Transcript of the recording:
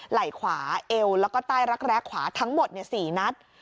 ไหล่ขวาเอวแล้วก็ใต้รักแร้ขวาทั้งหมด๔นัด